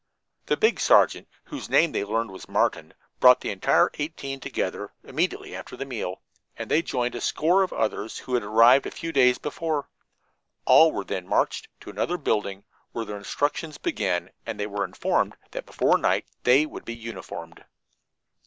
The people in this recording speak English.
The big sergeant, whose name they learned was Martin, brought the entire eighteen together immediately after the meal, and they joined a score of others who had arrived a few days before. All were then marched to another building, where their instructions began, and they were informed that before night they would be uniformed.